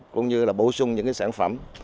cũng như bổ sung những sản phẩm